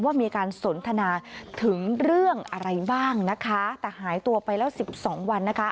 ว่ามีการสนทนาถึงเรื่องอะไรบ้างนะคะแต่หายตัวไปแล้วสิบสองวันนะคะ